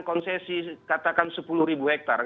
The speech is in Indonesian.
konsesi katakan sepuluh hektare